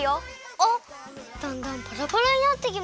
あっだんだんパラパラになってきました。